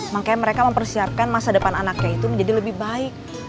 makanya mereka mempersiapkan masa depan anaknya itu menjadi lebih baik